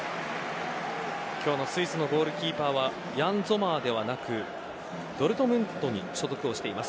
今日のスイスのゴールキーパーはヤン・ゾマーではなくドルトムントに所属をしています